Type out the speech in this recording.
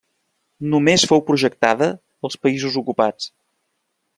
Només fou projectada als països ocupats.